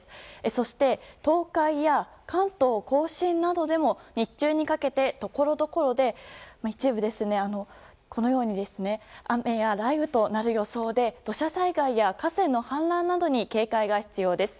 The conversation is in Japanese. そして東海や関東・甲信などでも日中にかけてところどころで雨や雷雨となる予想で土砂災害や河川の氾濫などに警戒が必要です。